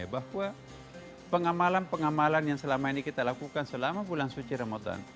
bahwa pengamalan pengamalan yang selama ini kita lakukan selama bulan suci ramadan